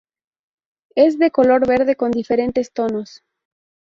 Es de color verde con diferentes tonos.